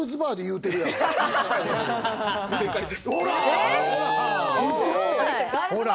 正解です。